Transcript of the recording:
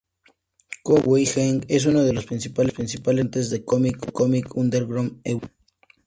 Cowboy Henk es uno de los principales representantes de cómic underground europeo.